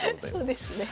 そうですね。